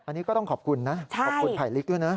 อันนี้ก็ต้องขอบคุณนะขอบคุณไผลลิกด้วยนะ